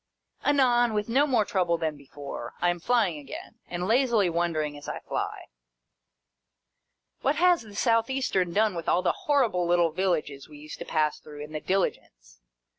Anon, with no more trouble than before, I am flying again, and lazily wondering as I fly. What has the South Eastern done with all the horrible little villages we used to pass through, in the Diligence